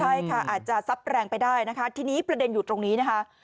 ใช่ค่ะอาจจะซับแรงไปได้นะคะทีนี้ประเด็นอยู่ตรงนี้นะคะ